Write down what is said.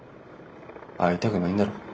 会いたくないんだろう。